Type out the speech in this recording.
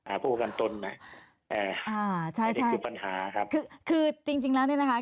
อ่าพวกมันต้นน่ะอ่าใช่ใช่อันนี้คือปัญหาครับคือคือจริงจริงแล้วนี่นะคะ